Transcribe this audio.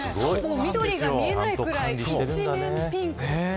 緑が見えないくらい一面ピンク。